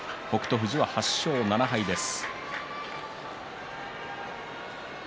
富士は８勝７敗です。